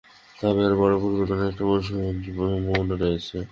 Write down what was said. তবে আরও বড় পরিবর্তনের একটা আশাব্যঞ্জক সম্ভাবনা রয়েছে।